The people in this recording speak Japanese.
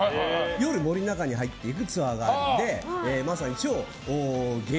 夜、森の中に入っていくツアーがあるのでまさに超激